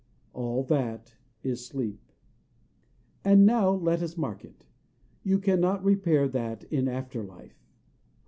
All that is sleep. And now let us mark it. You cannot repair that in after life.